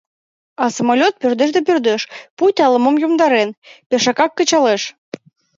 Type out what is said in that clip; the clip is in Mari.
А самолёт пӧрдеш да пӧрдеш, пуйто ала-мом йомдарен, пешакак кычалеш.